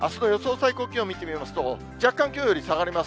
最高気温を見てみますと、若干きょうより下がります。